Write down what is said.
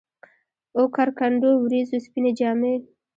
اوکر کنډو ، وریځو سپيني جامې